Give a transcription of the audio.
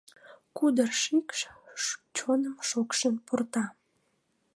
Кудыр шикш чоныш шокшым пурта.